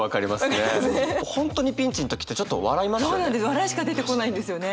笑いしか出てこないんですよね。